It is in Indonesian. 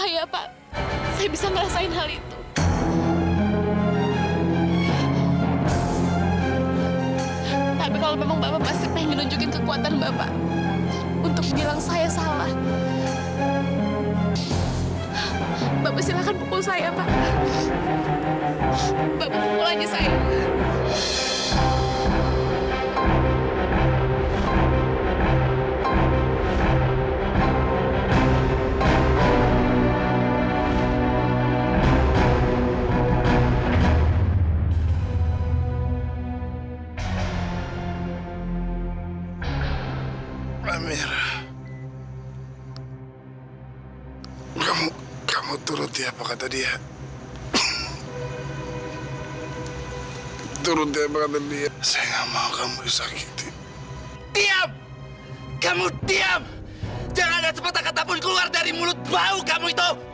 jangan ada sepeta kata pun keluar dari mulut bau kamu itu